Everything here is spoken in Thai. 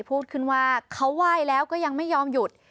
พูดขึ้นว่าเขาไหว้แล้วก็ยังไม่ยอมหยุด